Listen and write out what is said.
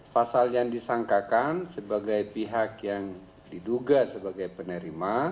pasal yang disangkakan sebagai pihak yang diduga sebagai penerima